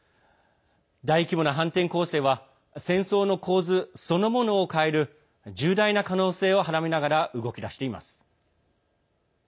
大規模な反転攻勢は戦争の構図そのものを変える重大な可能性をはらみながら動き出しています。